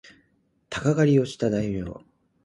鷹狩をした大名